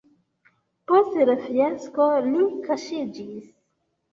Post la fiasko li kaŝiĝis.